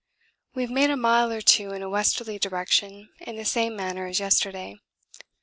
We have made a mile or two in a westerly direction in the same manner as yesterday.